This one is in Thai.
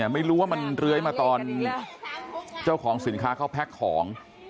ไม่รู้ว่ามันเลื้อยมาตอนเจ้าของสินค้าเขาแพ็คของ